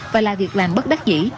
và là việc làm bất đắc dĩ